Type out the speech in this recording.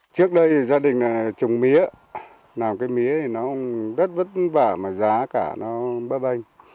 trước đây gia đình trồng mía làm cái mía thì nó rất vất vả mà giá cả nó bấp banh